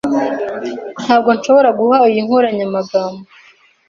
Ntabwo nshobora guha iyi nkoranyamagambo